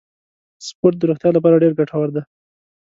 سپورت د روغتیا لپاره ډیر ګټور دی.